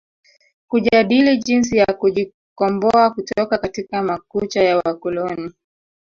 Kujadili jinsi ya kujikomboa kutoka katika makucha ya wakoloni